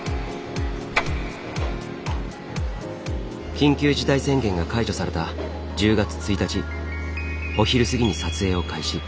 緊急事態宣言が解除された１０月１日お昼過ぎに撮影を開始。